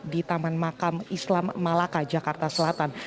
di taman makam islam malaka jakarta selatan